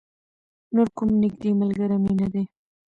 نور کوم نږدې ملگری مې نه دی.